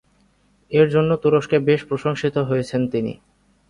এর জন্য তুরস্কে বেশ প্রশংসিত হয়েছেন তিনি।